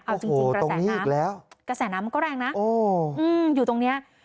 เอาจริงกระแสน้ำก็แรงนะอยู่ตรงนี้